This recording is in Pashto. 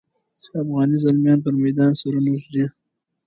افغاني زلمیان پر میدان سرونه ږدي.